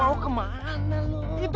mau kemana lu